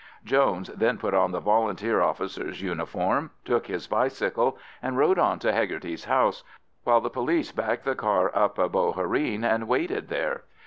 Jones then put on the Volunteer officer's uniform, took his bicycle, and rode on to Hegarty's house, while the police backed the car up a bohereen and waited there.